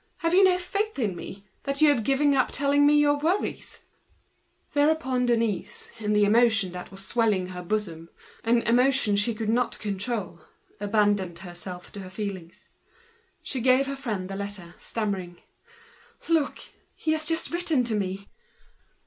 Have you no faith in me, that you have given up telling me your troubles?" Then Denise, in the emotion that was swelling her bosom—an emotion she could not control—abandoned herself to her feelings. She gave her friend the letter, stammering: "Look! he has just written to me."